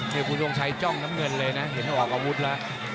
นี่คุณทรงชัยจ้องน้ำเงินเลยนะเห็นออกอาวุธแล้ว